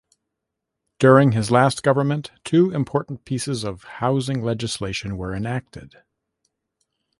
During his last government, two important pieces of housing legislation were enacted.